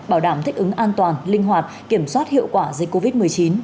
bảo đảm thích ứng an toàn linh hoạt kiểm soát hiệu quả dịch covid một mươi chín